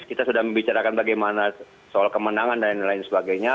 kita sudah membicarakan bagaimana soal kemenangan dan lain sebagainya